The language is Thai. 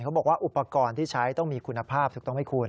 เขาบอกว่าอุปกรณ์ที่ใช้ต้องมีคุณภาพถูกต้องไหมคุณ